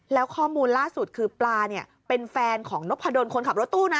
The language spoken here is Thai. แล้วข้อมูลล่าสุดคือปลาเนี่ยเป็นแฟนของนพดลคนขับรถตู้นะ